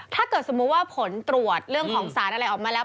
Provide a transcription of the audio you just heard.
ถ้าเกิดสมมุติว่าผลตรวจเรื่องของสารอะไรออกมาแล้ว